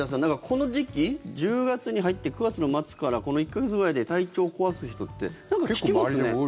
この時期、１０月に入って９月の末からこの１か月くらいで体調を壊す人って聞きますね。